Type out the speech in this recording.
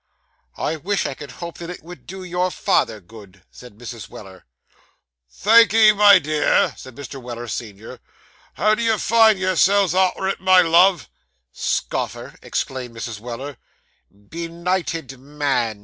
'I wish I could hope that it would do your father good,' said Mrs. Weller. 'Thank'ee, my dear,' said Mr. Weller, senior. 'How do you find yourself arter it, my love?' 'Scoffer!' exclaimed Mrs. Weller. 'Benighted man!